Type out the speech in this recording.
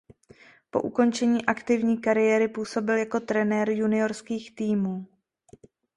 Po ukončení aktivní kariéry působil jako trenér juniorských týmů.